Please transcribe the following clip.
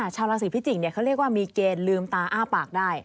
ชาวราศีพิจิกษ์เขาเรียกว่ามีเกณฑ์ลืมตาอ้าปากได้